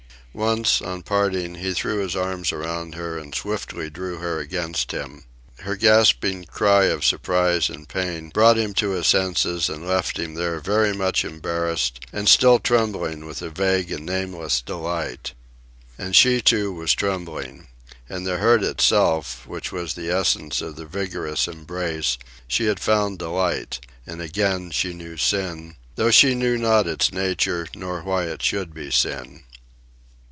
Once, on parting, he threw his arms around her and swiftly drew her against him. Her gasping cry of surprise and pain brought him to his senses and left him there very much embarrassed and still trembling with a vague and nameless delight. And she, too, was trembling. In the hurt itself, which was the essence of the vigorous embrace, she had found delight; and again she knew sin, though she knew not its nature nor why it should be sin.